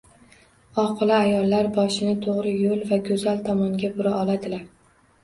Oqila ayollar boshni toʻgʻri yoʻl va goʻzal tomonga bura oladilar.